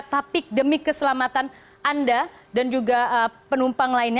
tapi demi keselamatan anda dan juga penumpang lainnya